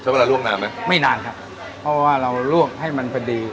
เวลาลวกนานไหมไม่นานครับเพราะว่าเราลวกให้มันพอดี